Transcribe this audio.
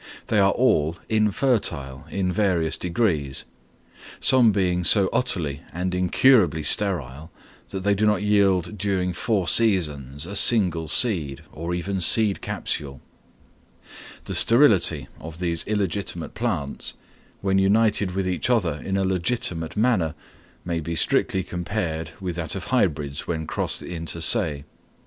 They are all infertile, in various degrees; some being so utterly and incurably sterile that they did not yield during four seasons a single seed or even seed capsule. The sterility of these illegitimate plants, when united with each other in a legitimate manner, may be strictly compared with that of hybrids when crossed inter se.